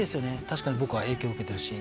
確かに僕は影響を受けてるし」